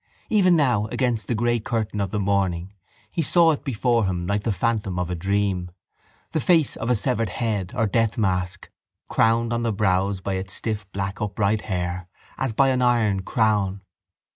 Even now against the grey curtain of the morning he saw it before him like the phantom of a dream, the face of a severed head or death mask, crowned on the brows by its stiff black upright hair as by an iron crown.